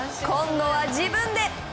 今度は自分で。